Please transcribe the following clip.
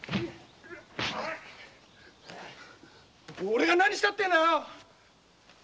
オレが何したってんだよ！